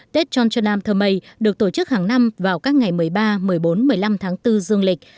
tết tron nam thơ mây được tổ chức hàng năm vào các ngày một mươi ba một mươi bốn một mươi năm tháng bốn dương lịch